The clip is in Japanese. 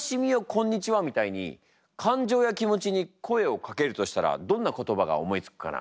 みたいに感情や気持ちに声をかけるとしたらどんな言葉が思いつくかな？